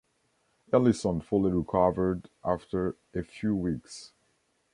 Ellison fully recovered after a few weeks.